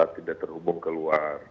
tidak terhubung ke luar